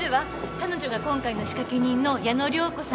彼女が今回の仕掛け人の矢野涼子さん。